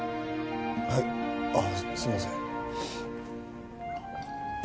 はいあッすみません